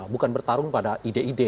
bukan bertarung pada ide ide